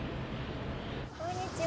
こんにちは。